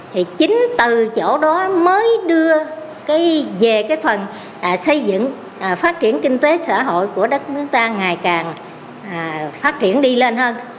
thì chính từ chỗ đó mới đưa về cái phần xây dựng phát triển kinh tế xã hội của đất nước ta ngày càng phát triển đi lên hơn